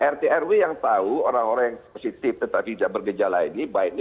rt rw yang tahu orang orang yang positif tetapi bergejala ini by name by address